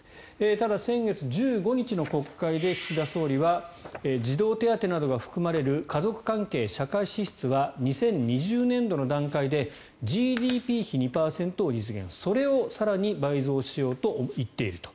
ただ、先月１５日の国会で岸田総理は児童手当などが含まれる家族関係社会支出は２０２０年度の段階でＧＤＰ比２％を実現それを更に倍増しようと言っていると。